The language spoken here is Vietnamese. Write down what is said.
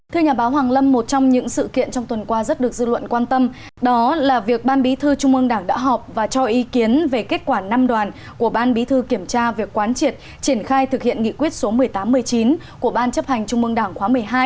thưa nhà báo hoàng lâm một trong những sự kiện trong tuần qua rất được dư luận quan tâm đó là việc ban bí thư trung ương đảng đã họp và cho ý kiến về kết quả năm đoàn của ban bí thư kiểm tra việc quán triệt triển khai thực hiện nghị quyết số một mươi tám một mươi chín của ban chấp hành trung mương đảng khóa một mươi hai